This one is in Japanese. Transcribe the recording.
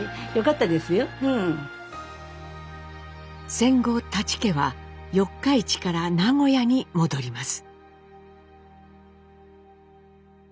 戦後舘家は四日市から名古屋に戻ります。